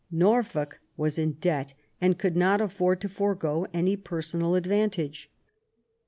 Norfolk was in debt, and could not afford to forego any personal ad vantage.